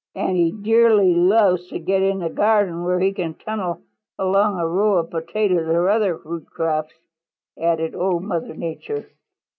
"And he dearly loves to get in a garden where he can tunnel along a row of potatoes or other root crops," added Old Mother Nature.